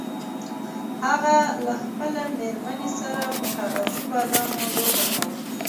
هغه له خپلې میرمنې سره پر کاغذي بادامو لوبه کوله.